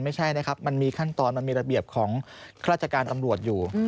ไม่ใช่นะครับมันมีขั้นตอนมันมีระเบียบของราชการตำรวจอยู่